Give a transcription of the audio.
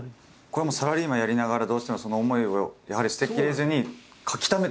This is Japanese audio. これはサラリーマンやりながらどうしてもその思いをやはり捨てきれずに書きためてたんですか？